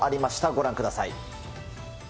ご覧ください。